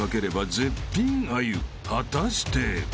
［果たして？］